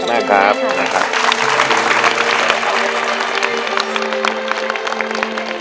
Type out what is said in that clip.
คุณจะกลับก็ได้อย่างนั้นสักครู่